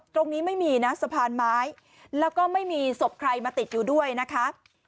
ตรงนี้ไม่มีนะสะพานไม้แล้วก็ไม่มีศพใครมาติดอยู่ด้วยนะคะ